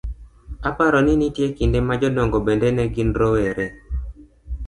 Aparo ni nitie kinde ma jodongo bende ne gin rowere